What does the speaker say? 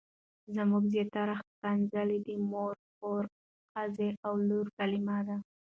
زموږ زياتره ښکنځلې د مور، خور، ښځې او لور کلمې دي.